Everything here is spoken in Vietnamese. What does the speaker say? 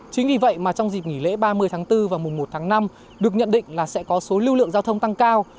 chính vì vậy mà trong dịp nghỉ lễ ba mươi tháng bốn và mùa một tháng năm được nhận định là sẽ có số lưu lượng giao thông tăng cao